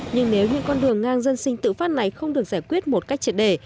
nhưng nếu những con đường ngang dân sinh tự phát này không được giải quyết một cách triệt đề